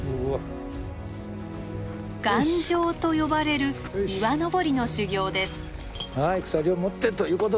岩上と呼ばれる岩登りの修行です。